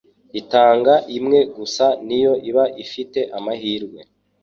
intanga imwe gusa niyo iba ifite amahirwe